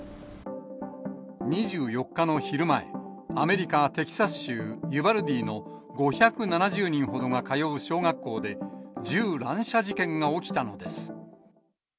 ２４日の昼前、アメリカ・テキサス州ユバルディの５７０人ほどが通う小学校で、銃乱射事件が起きたのです。